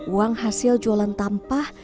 uang hasil jualan tampah